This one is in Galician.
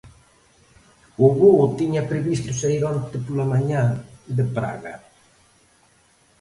O voo tiña previsto saír onte pola mañá de Praga.